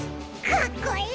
かっこいい！